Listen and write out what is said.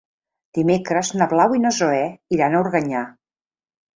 Dimecres na Blau i na Zoè iran a Organyà.